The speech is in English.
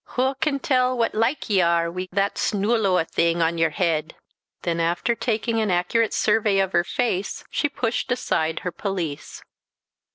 Wha can tell what like ye are wi' that snule o' a thing on ye're head?" Then after taking an accurate survey of her face, she pushed aside her pelisse."